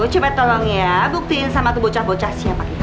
coba tolong ya buktiin sama tuh bocah bocah siapa kita